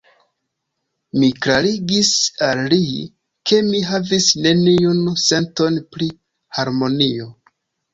Mi klarigis al li, ke mi havis neniun senton pri harmonio.